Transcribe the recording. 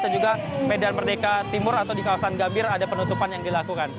dan juga medan merdeka timur atau di kawasan gabir ada penutupan yang dilakukan